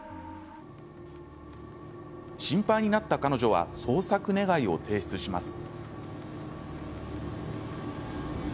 心配になった彼女は捜索願を提出します。